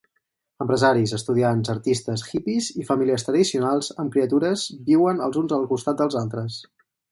Empresaris, estudiants, artistes, hippies i famílies tradicionals amb criatures viuen els uns al costat dels altres.